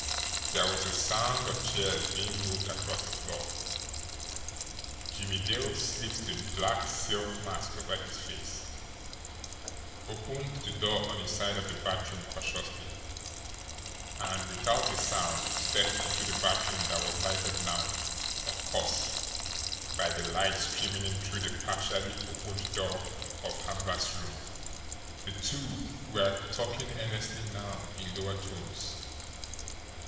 There was the sound of chairs being moved across the floor. Jimmie Dale slipped the black silk mask over his face, opened the door on his side of the bathroom cautiously, and, without a sound, stepped into the bathroom that was lighted now, of course, by the light streaming in through the partially opened door of Hamvert's room. The two were talking earnestly now in lower tones.